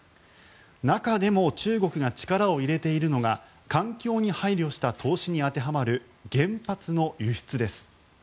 中でも中国が力を入れているのが環境に配慮した投資に当てはまる原発の輸出です。